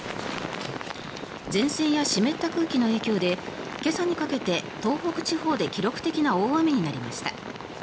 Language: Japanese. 前線や湿った空気の影響で今朝にかけて東北地方で記録的な大雨になりました。